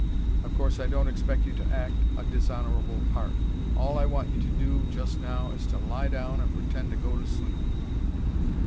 Of course I don't expect you to act a dishonourable part, all I want you to do just now is to lie down and pretend to go to sleep."